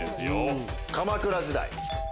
鎌倉時代。